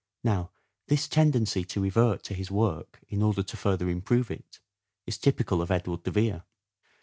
Now this tendency to revert to his work in order to further improve it, is typical of Edward de Vere.